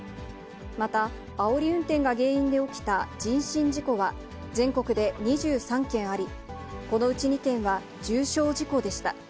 また、あおり運転が原因で起きた人身事故は、全国で２３件あり、このうち２件は重傷事故でした。